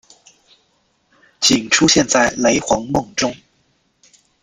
仅出现在雷凰梦中。